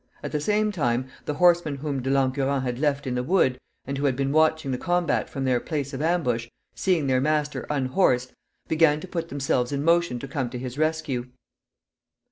At the same time, the horsemen whom De Langurant had left in the wood, and who had been watching the combat from their place of ambush, seeing their master unhorsed, began to put themselves in motion to come to his rescue.